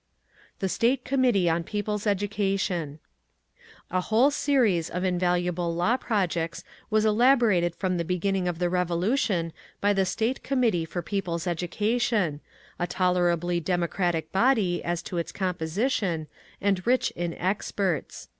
The State Committee on People's Education: A whole series of invaluable law projects was elaborated from the beginning of the Revolution by the State Committee for People's Education, a tolerably democratic body as to its composition, and rich in experts.